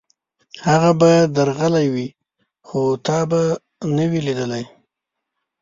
هغه به درغلی وي، خو تا به نه وي لېدلی.